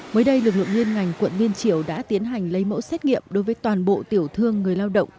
mới đây lực lượng liên ngành quận liên triều đã tiến hành lấy mẫu xét nghiệm đối với toàn bộ tiểu thương người lao động